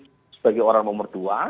sebagai orang nomor dua